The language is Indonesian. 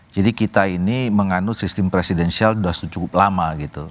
jadi kita ini menganut sistem presidensial sudah cukup lama gitu